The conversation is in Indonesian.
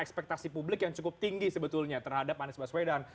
ekspektasi publik yang cukup tinggi sebetulnya terhadap anies baswedan